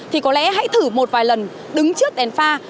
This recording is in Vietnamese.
thì có lẽ hãy thử một vài lần đứng trước đèn pha